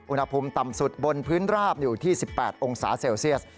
อุณหภูมิต่ำสุดบนพื้นราบอยู่ที่๑๘องศาเซลเซียส